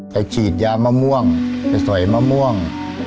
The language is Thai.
ฉีดยามะม่วงไปสอยมะม่วง